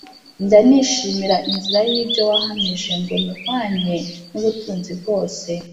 , ‘‘Njya nishimira inzira y’ibyo wahamije, Ngo nyihwanye n’ubutunzi bwose.